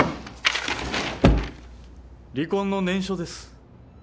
離婚の念書です。